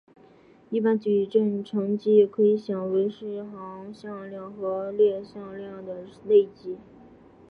一般矩阵乘积也可以想为是行向量和列向量的内积。